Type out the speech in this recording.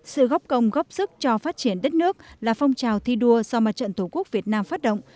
sự góp công góp sức cho phát triển đất nước là phong trào thi đua do mặt trận tổ quốc việt nam phát động